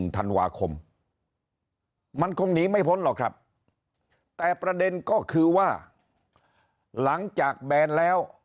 ธันวาคมมันคงหนีไม่พ้นหรอกครับแต่ประเด็นก็คือว่าหลังจากแบนแล้ว